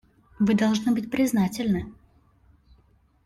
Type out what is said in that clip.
Вы должны быть признательны.